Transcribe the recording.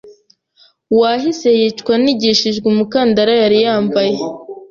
wahise yicwa anigishijwe umukandara yari yambaye